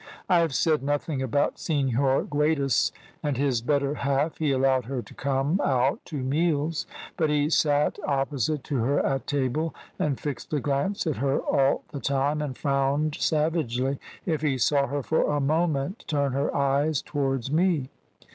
"I have said nothing about Senhor Guedes and his better half. He allowed her to come out to meals; but he sat opposite to her at table, and fixed a glance at her all the time, and frowned savagely if he saw her for a moment turn her eyes towards me.